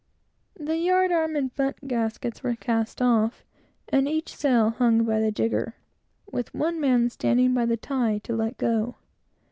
The yard arm and bunt gaskets were cast off; and each sail hung by the jigger, with one man standing by the tie to let it go.